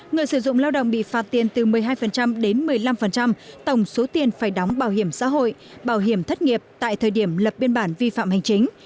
người sử dụng lao động bị phạt tiền từ một mươi hai đến một mươi năm tổng số tiền phải đóng bảo hiểm xã hội bảo hiểm thất nghiệp tại thời điểm lập biên bản vi phạm hành chính